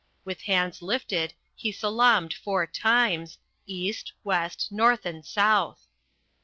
With hands lifted he salaamed four times east, west, north, and south.